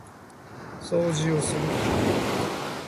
掃除をする